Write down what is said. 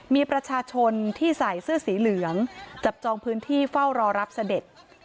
มีประชาชนที่ใส่เสื้อสีเหลืองจับจองพื้นที่เฝ้ารอรับเสด็จ